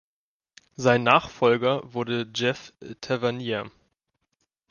Sein Nachfolger wurde Jef Tavernier